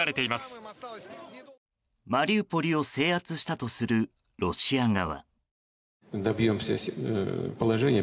マリウポリを制圧したとするロシア側。